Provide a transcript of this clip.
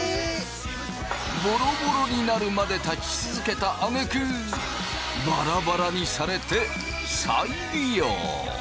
ボロボロになるまで立ち続けたあげくバラバラにされて再利用！